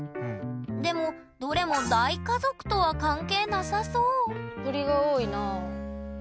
でもどれも大家族とは関係なさそう鳥が多いなあ。